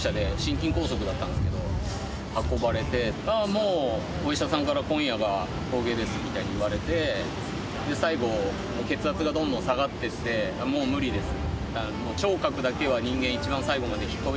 もうお医者さんから「今夜が峠です」みたいに言われて最期血圧がどんどん下がっていって「もう無理です」。